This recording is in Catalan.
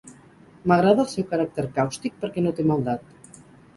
M'agrada el seu caràcter càustic perquè no té maldat.